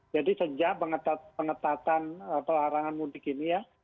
jadi sejak pengetatan pelarangan mudik ini ya